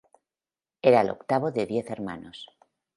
Era el octavo de diez hermanos.